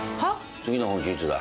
次の本打ちいつだ？